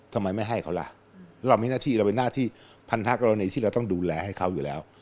ทำไมไม่ให้เขาล่ะแล้วเรามีหน้าที่เราเป็นหน้าที่พันธกรณีที่เราต้องดูแลให้เขาอยู่แล้ว